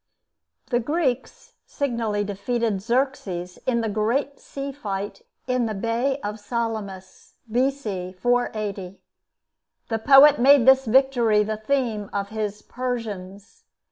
The Greeks signally defeated Xerxes in the great sea fight in the bay of Salamis, B.C. 480. The poet made this victory the theme of his 'Persians.'